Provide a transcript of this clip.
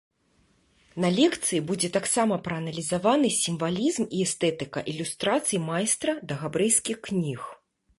На лекцыі будзе таксама прааналізаваны сімвалізм і эстэтыка ілюстрацый майстра да габрэйскіх кніг.